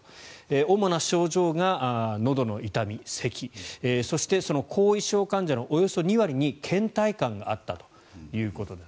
主な症状がのどの痛み、せきそして、その後遺症患者のおよそ２割にけん怠感があったということです。